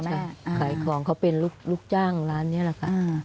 ขายของเขาเป็นลูกจ้างร้านนี้แหละค่ะ